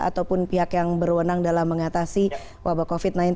ataupun pihak yang berwenang dalam mengatasi wabah covid sembilan belas